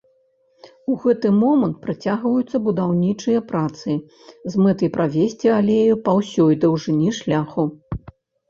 У гэты момант працягваюцца будаўнічыя працы з мэтай правесці алею па ўсёй даўжыні шляху.